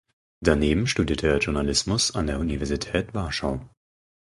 Daneben studierte er Journalismus an der Universität Warschau.